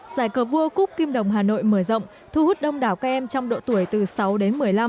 giải cờ vua cúc kim đồng hà nội mở rộng thu hút đông đảo các em trong độ tuổi từ sáu đến một mươi năm